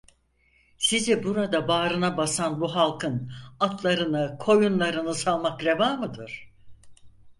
Sizi burada bağrına basan bu halkın, atlarını koyunlarını salmak reva mıdır?